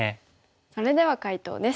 それでは解答です。